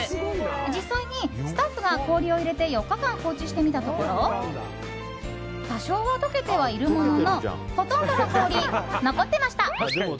実際にスタッフが氷を入れて４日間放置してみたところ多少は解けてはいるもののほとんどの氷、残っていました。